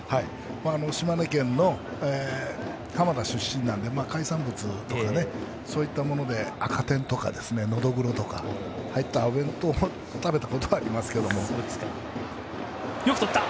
島根県の浜田出身なんで海産物とかそういったものであかてんとかのどぐろとかが入ったお弁当を食べたことはありますけど。